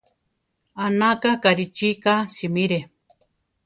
Anaka Garichí ka simire.